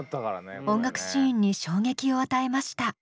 音楽シーンに衝撃を与えました。